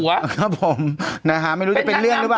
ครับผมนะฮะไม่รู้จะเป็นเรื่องหรือเปล่า